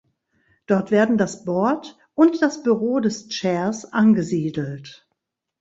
Dort werden das Board und das Büro des Chairs angesiedelt.